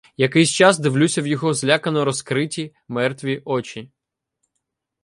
Якийсь час дивлюся в його злякано розкриті мертві очі.